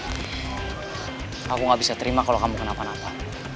aku gak bisa terima kalau kamu kenapa napa